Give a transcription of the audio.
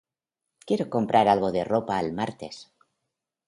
Quiero comprar algo de ropa el martes.